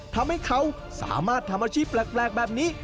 ทำให้เขาสามารถทำอาชีพแปลกแบบนี้